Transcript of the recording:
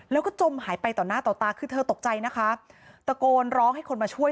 แล้วก็จมหายไปต่อหน้าต่อตาคือเธอตกใจนะคะตะโกนร้องให้คนมาช่วย